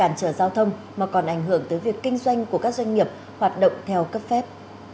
cản trở giao thông mà còn ảnh hưởng tới việc kinh doanh của các doanh nghiệp hoạt động theo cấp phép